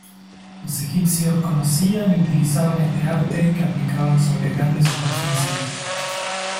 Los egipcios conocían y utilizaban este arte que aplicaban sobre grandes superficies.